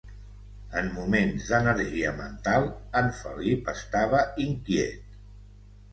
En moments d'energia mental, en Felip estava inquiet.